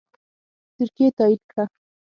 ترکیې تایید کړه